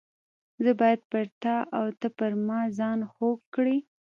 زه باید پر تا او ته پر ما ځان خوږ کړې.